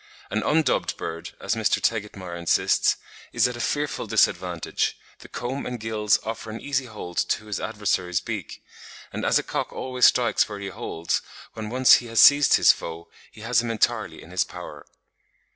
An undubbed bird, as Mr. Tegetmeier insists, "is at a fearful disadvantage; the comb and gills offer an easy hold to his adversary's beak, and as a cock always strikes where he holds, when once he has seized his foe, he has him entirely in his power.